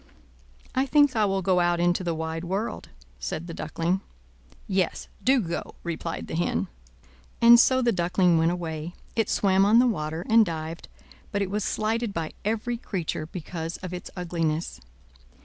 "I think I will go out into the wide world," said the Duckling. "Yes, do go," replied the Hen. And so the Duckling went away. It swam on the water, and dived, but it was slighted by every creature because of its ugliness.